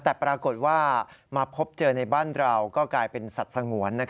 แต่ปรากฏว่ามาพบเจอในบ้านเราก็กลายเป็นสัตว์สงวน